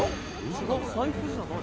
違う財布じゃない？